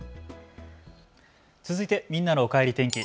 続いてみんなのおかえり天気。